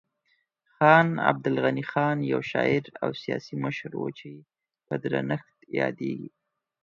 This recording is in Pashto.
خان عبدالغني خان یو شاعر او سیاسي مشر و چې په درنښت یادیږي.